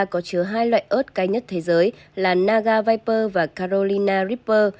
có chứa hai loại ớt cay nhất thế giới là naga viper và carolina reaper